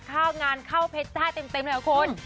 ข้างานเพชรชาติเต็มนะครับคุณ